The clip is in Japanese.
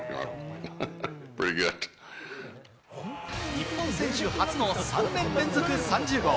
日本選手初の３年連続３０号。